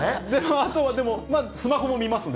あとはスマホも見ますね。